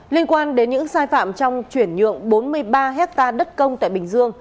liên quan đến những sai phạm trong chuyển nhượng bốn mươi ba hectare đất công tại bình dương